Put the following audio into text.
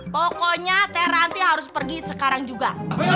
pokoknya t ranti harus pergi sekarang juga